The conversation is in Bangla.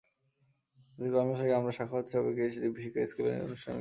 মৃত্যুর মাস কয়েক আগে আমরা সাখাওয়াত সাবেকিরা দীপশিখা স্কুলের একটি অনুষ্ঠানে মিলিত হই।